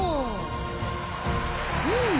うん！